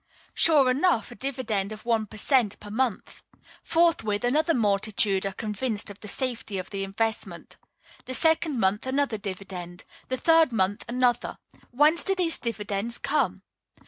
Sure enough, a dividend of one per cent. per month! Forthwith, another multitude are convinced of the safety of the investment. The second month another dividend. The third month another. Whence do these dividends come?